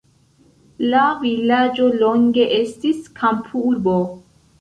La vilaĝo longe estis kampurbo.